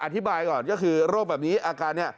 อธิบายก่อนก็คือโรคแบบนี้อาการเนี่ย